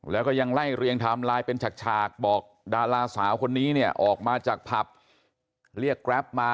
แล้วก็ยังไล่เรียงไทม์ไลน์เป็นฉากบอกดาราสาวคนนี้เนี่ยออกมาจากผับเรียกแกรปมา